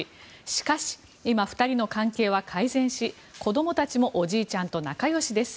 しかし、今、２人の関係は改善し子どもたちもおじいちゃんと仲よしです。